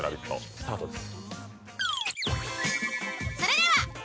スタートです。